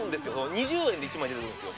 ２０円で１枚出てくるんですよ